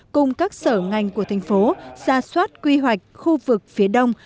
cùng các sở ngành của thành phố ra soát quy hoạch khu vực phía đông